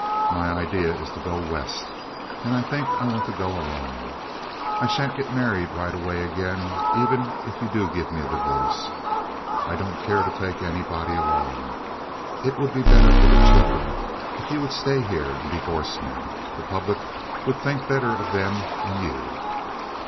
My idea now is to go west, and I think I want to go alone. I sha'n't get married right away again even if you do give me a divorce. I don't care to take anybody along. It would be better for the children if you would stay here and divorce me. The public would think better of them and you."